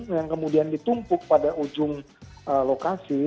yang kemudian ditumpuk pada ujung lokasi